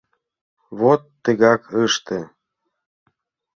— Вот тыгак ыште.